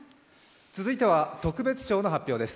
続いては特別賞の発表です。